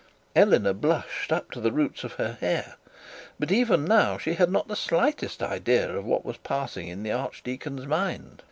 Eleanor blushed up to the roots of her hair. But even now she had not the slightest idea of what was passing in the archdeacon's mind.